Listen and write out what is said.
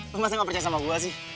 lo pasti gak percaya sama gue sih